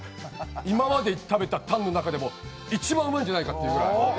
今まで食べたタンの中でも一番うまいんじゃないかっていうぐらい。